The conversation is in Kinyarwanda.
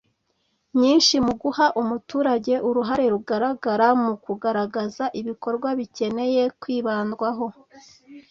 nyinshi mu guha umuturage uruhare rugaragara mu kugaragaza ibikorwa bikeneye kwibandwaho